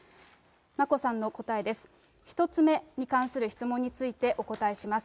眞子さんの答えです。